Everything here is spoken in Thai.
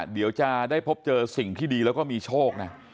เดี๋ยวจะได้พบเจอสิ่งที่ดีแล้วก็มีโชคนะ